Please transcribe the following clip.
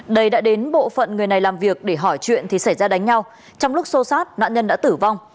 đây đã đến bộ phận người này làm việc để hỏi chuyện thì xảy ra đánh nhau trong lúc xô sát nạn nhân đã tử vong